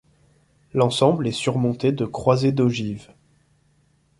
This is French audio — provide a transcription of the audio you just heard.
L'ensemble est surmonté de croisées d'ogives.